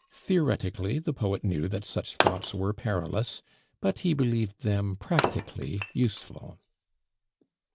Theoretically the poet knew that such thoughts were perilous; but he believed them practically useful.